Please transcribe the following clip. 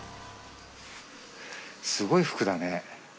すごい服だね。